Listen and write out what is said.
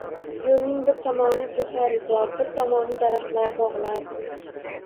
Yo`lning bir tomoni jo`xorizor, bir tomoni daraxtlar, bog`lar